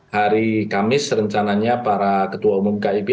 hari kamis rencananya para ketua umum kib